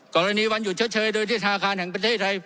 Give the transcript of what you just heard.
กรณีวันหยุดเชษย์โดยทศาคารแห่งประเทศไทย